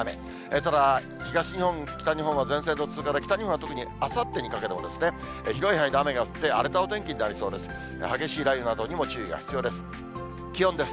ただ、東日本、北日本は前線の通過で、北日本は特にあさってにかけても、広い範囲で雨が降って、荒れたお天気になりそうです。